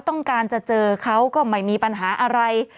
ต้องการจะเจอเขาก็ไม่มีปัญหาอะไร